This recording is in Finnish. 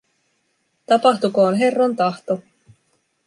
Tapahtukoon Herran tahto.